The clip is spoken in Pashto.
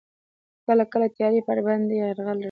کله کله تیارې پر ده باندې یرغل راوړي.